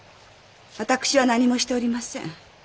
私は何もしておりません。